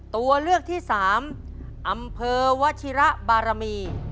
ตัวเลือกที่สามอำเภอวชิระบารมี